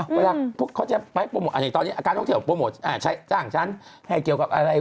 เวลาพวกเขาจะไปโปรโมทตอนนี้อาการท่องเที่ยวโปรโมทจ้างฉันให้เกี่ยวกับอะไร